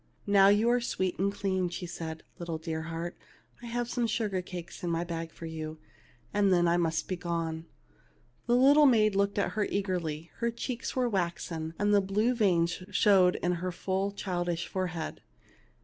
"Now you are sweet and clean/* said she. "'Dear little heart, I have some sugar cakes in my bag for you, and then I must be gone." 236 THE LITTLE MAID AT THE DOOR The little maid looked at her eagerly, her cheeks were waxen, and the blue veins showed in her full childish forehead.